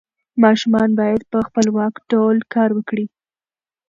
ماشومان باید په خپلواک ډول کار وکړي.